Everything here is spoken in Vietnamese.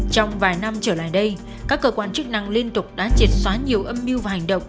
trong vài năm trở lại đây các cơ quan chức năng liên tục đã triệt xóa nhiều âm mưu và hành động